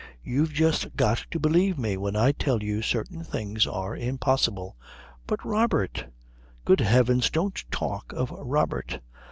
You've just got to believe me when I tell you certain things are impossible." "But Robert " "Good heavens, don't talk of Robert.